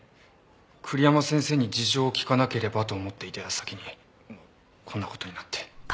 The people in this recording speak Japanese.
栗山先生に事情を聞かなければと思っていた矢先にこんな事になって。